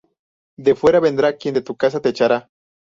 De fuera vendrá quien de tu casa te echará